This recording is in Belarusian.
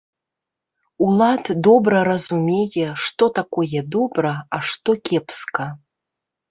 Улад добра разумее, што такое добра, а што кепска.